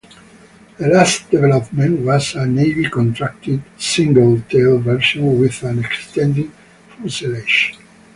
The last development was a Navy contracted, single tail version with an extended fuselage.